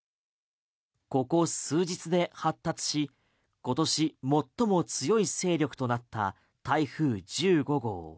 ここ数日で発達し今年最も強い勢力となった台風１５号。